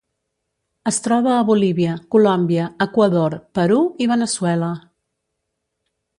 Es troba a Bolívia, Colòmbia, Equador, Perú i Veneçuela.